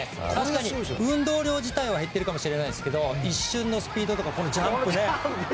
かなり運動量自体は減っているかもしれないですけど一瞬のスピードとかこのジャンプね。